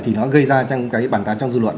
thì nó gây ra trong cái bản tán trong dư luận